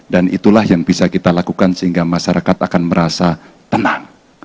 dan itulah yang bisa kita lakukan sehingga masyarakat akan merasa tenang